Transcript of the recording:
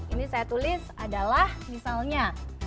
ini saya tulis adalah misalnya